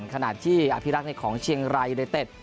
ขณะที่อภิรักษ์ของเชียงรายยูเนเต็ด